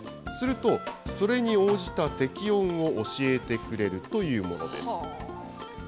すると、それに応じた適温を教えてくれるというものです。